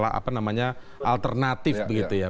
apa namanya alternatif begitu ya